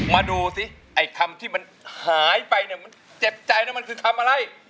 มาดูสิไอ้คำที่มันหายไปเนี่ยมันเจ็บใจนะมันคือคำอะไร